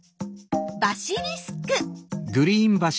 バシリスク。